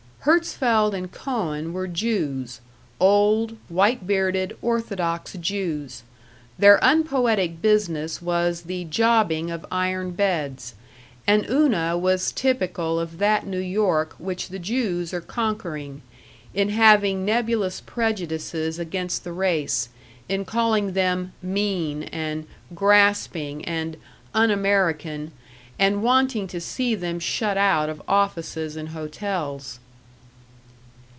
Herzfeld and Cohn were Jews, old, white bearded, orthodox Jews; their unpoetic business was the jobbing of iron beds; and Una was typical of that New York which the Jews are conquering, in having nebulous prejudices against the race; in calling them "mean" and "grasping" and "un American," and wanting to see them shut out of offices and hotels.